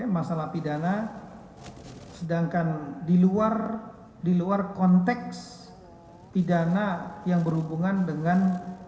masalah pidana sedangkan di luar konteks pidana yang berhubungan dengan